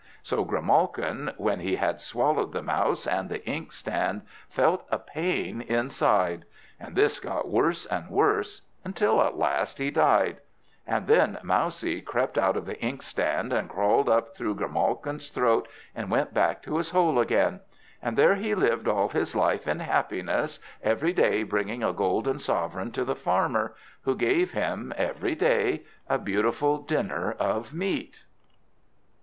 So Grimalkin, when he had swallowed the Mouse and the inkstand, felt a pain inside; and this got worse and worse, until at last he died. And then Mousie crept out of the inkstand, and crawled up through Grimalkin's throat, and went back to his hole again. And there he lived all his life in happiness, every day bringing a golden sovereign to the Farmer, who gave him every day a beautiful dinner of meat.